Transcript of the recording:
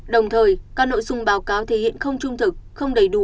đồng thời các nội dung báo cáo thể hiện không trung thực không đầy đủ